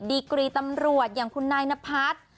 ดีกรีตำรวจอย่างคุณนายนพัฒน์